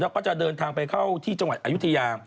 แล้วก็จะเดินทางไปเข้าที่จังหวัดอายุทยา